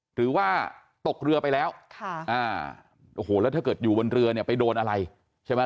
หรือว่าตกเรือไปแล้วค่ะอ่าโอ้โหแล้วถ้าเกิดอยู่บนเรือเนี่ยไปโดนอะไรใช่ไหม